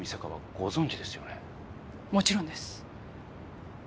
もちろんです。